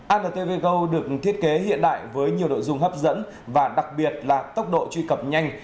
antv go được thiết kế hiện đại với nhiều nội dung hấp dẫn và đặc biệt là tốc độ truy cập nhanh